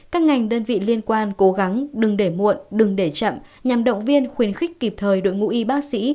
các ngành đơn vị liên quan cố gắng đừng để muộn đừng để chậm nhằm động viên khuyến khích kịp thời đội ngũ y bác sĩ